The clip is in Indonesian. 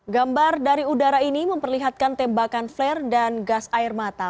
gambar dari udara ini memperlihatkan tembakan flare dan gas air mata